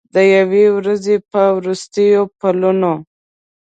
د یوې ورځې په وروستیو پلونو